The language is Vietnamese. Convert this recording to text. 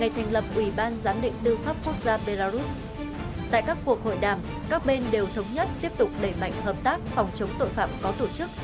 tại các cuộc hội đàm các bên đều thống nhất tiếp tục đẩy mạnh hợp tác phòng chống tội phạm có tổ chức